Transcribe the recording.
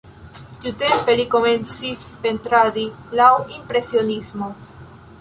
Tiutempe li komencis pentradi laŭ impresionismo.